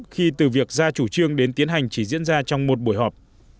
khi từ việc ra chủ trương đến tiến hành chỉ diễn ra trong một buổi họp